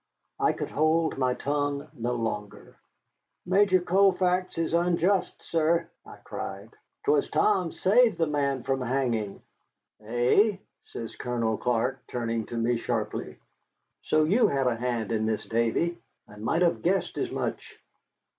I could hold my tongue no longer. "Major Colfax is unjust, sir," I cried. "'Twas Tom saved the man from hanging." "Eh?" says Colonel Clark, turning to me sharply. "So you had a hand in this, Davy. I might have guessed as much."